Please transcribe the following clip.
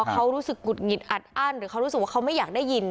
เขารู้สึกหงุดหงิดอัดอั้นหรือเขารู้สึกว่าเขาไม่อยากได้ยิน